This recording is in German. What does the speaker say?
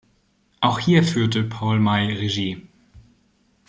Auch hier führte Paul May Regie.